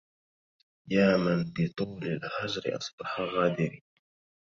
يا من بطول الهجر أصبح غادري